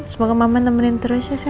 semoga mama nemenin terus ya saya